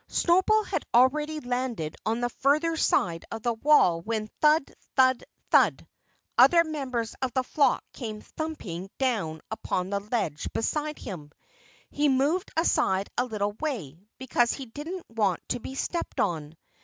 Snowball had already landed on the further side of the wall when thud! thud! thud! other members of the flock came thumping down upon the ledge beside him. He moved aside a little way, because he didn't want to be stepped on.